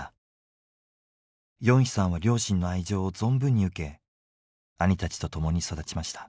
ヨンヒさんは両親の愛情を存分に受け兄たちとともに育ちました。